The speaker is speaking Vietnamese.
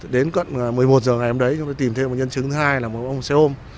đến gần một mươi một h ngày hôm đấy chúng tôi tìm thêm một nhân chứng thứ hai là một ông xe ôm